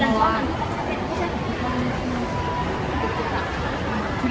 แล้วก็จะมีอ๋อ